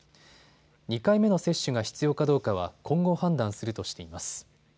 ２回目の接種が必要かどうかは今後、判断するとしています。